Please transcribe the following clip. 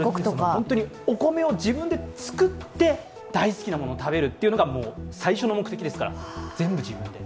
本当にお米を自分で作って大好きなものを食べるというのが最初の目的ですから、全部自分で。